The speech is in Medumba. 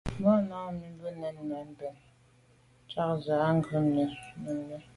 Ba nǎmî bû Nánái bɛ̂n náɁ ják ndzwə́ á gə́ Númíi.